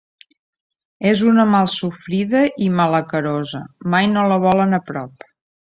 És una malsofrida i malacarosa, mai no la volen a prop.